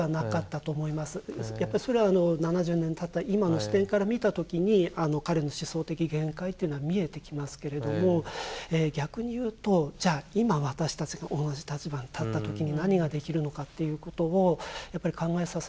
やっぱりそれは７０年たった今の視点から見た時に彼の思想的限界っていうのは見えてきますけれども逆に言うとじゃあ今私たちが同じ立場に立った時に何ができるのかっていうことをやっぱり考えさせられる。